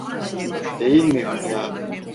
Değil mi, Hülya?